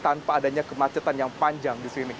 tanpa adanya kemacetan yang panjang di sini